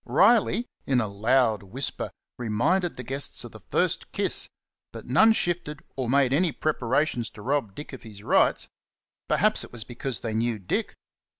Riley, in a loud whisper, reminded the guests of the "fust kiss," but none shifted or made any preparations to rob Dick of his rights. Perhaps it was because they knew Dick.